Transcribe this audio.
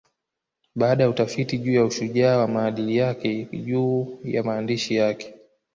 Baada ya utafiti juu ya ushujaa wa maadili yake juu ya maandishi yake